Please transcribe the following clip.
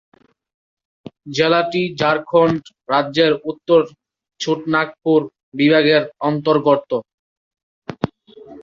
জেলাটি ঝাড়খন্ড রাজ্যের উত্তর ছোটনাগপুর বিভাগের অন্তর্গত।